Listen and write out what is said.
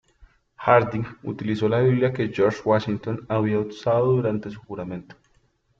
Harding utilizó la Biblia que George Washington había usado durante su juramento.